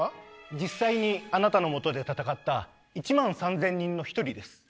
実際にあなたのもとで戦った１万３，０００人の一人です。